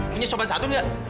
punya sobat satu nggak